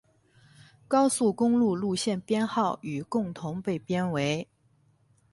高速公路路线编号与共同被编为。